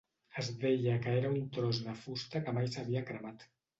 Es deia que era un tros de fusta que mai s'havia cremat.